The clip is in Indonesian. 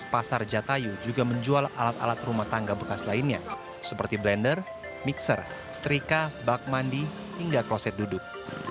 pasar jatayu juga menjual alat alat rumah tangga bekas lainnya seperti blender mixer setrika bak mandi hingga kloset duduk